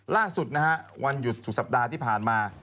ล่าสุดนะฮะวันหยุดสุดสัปดาห์ที่ผ่านมา